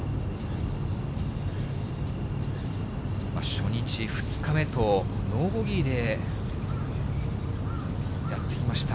初日、２日目と、ノーボギーでやってきました、